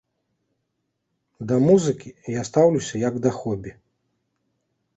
Да музыкі я стаўлюся як да хобі.